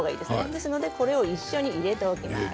ですのでこれを一緒に入れておきます。